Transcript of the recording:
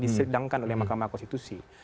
disedangkan oleh mahkamah konstitusi